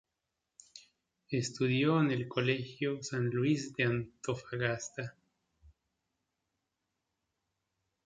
Estudió en el Colegio San Luis de Antofagasta.